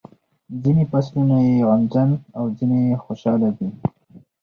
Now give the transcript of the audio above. ځینې فصلونه یې غمجن او ځینې خوشاله دي.